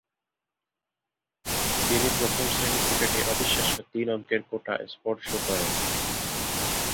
তিনি প্রথম-শ্রেণীর ক্রিকেটে অবিশ্বাস্য তিন অঙ্কের কোটা স্পর্শ করেন।